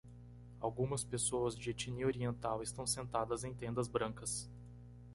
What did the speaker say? Algumas pessoas de etnia oriental estão sentadas em tendas brancas.